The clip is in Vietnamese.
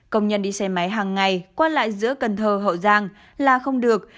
công nhân đi xe máy hàng ngày qua lại giữa cần thơ hậu giang là không được